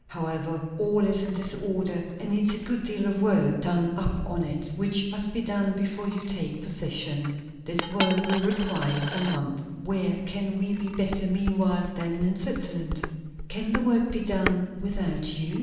However, all is in disorder, and needs a good deal of work done up on it; which must be done before you take possession. This work will require some months. Where can we be better, meanwhile, than in Switzerland?" "Can the work be done without you?"